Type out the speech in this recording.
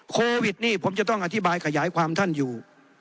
โควิดนี่ผมจะต้องอธิบายขยายความท่านอยู่